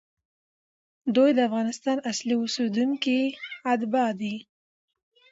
دوی د افغانستان اصلي اوسېدونکي، اتباع دي،